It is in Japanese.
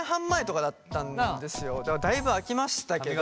だからだいぶ空きましたけど。